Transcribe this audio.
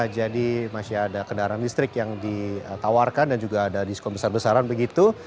jadi masih ada kendaraan listrik yang ditawarkan dan juga ada diskon besar besaran begitu